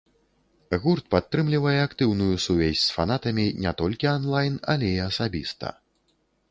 Гурт падтрымлівае актыўную сувязь з фанатамі не толькі анлайн, але і асабіста.